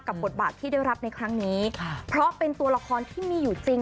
บทบาทที่ได้รับในครั้งนี้ค่ะเพราะเป็นตัวละครที่มีอยู่จริง